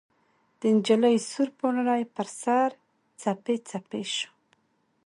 د نجلۍ سور پوړني ، پر سر، څپې څپې شو